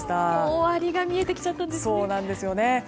終わりが見えてきちゃったんですね。